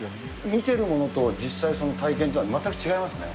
見てるものと実際の体験とはまったく違いますね。